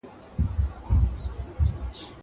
زه به اوږده موده د ښوونځی لپاره امادګي نيولی وم!